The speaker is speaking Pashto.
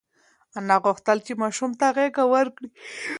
انا غوښتل چې ماشوم ته غېږه ورکړي.